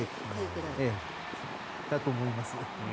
だと思います。